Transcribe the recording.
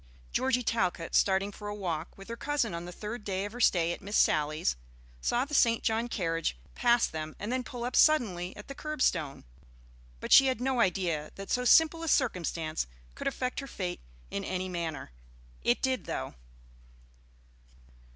Georgie Talcott, starting for a walk with her cousin on the third day of her stay at Miss Sally's, saw the St. John carriage pass them and then pull up suddenly at the curb stone; but she had no idea that so simple a circumstance could affect her fate in any manner. It did, though.